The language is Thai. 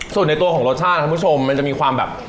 ส่วนในตัวของรสชาติคุณผู้ชมมันจะมีความแบบ